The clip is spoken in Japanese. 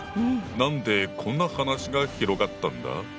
何でこんな話が広がったんだ？